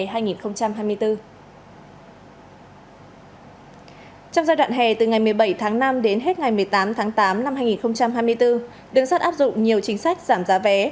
trong giai đoạn hè từ ngày một mươi bảy tháng năm đến hết ngày một mươi tám tháng tám năm hai nghìn hai mươi bốn đường sắt áp dụng nhiều chính sách giảm giá vé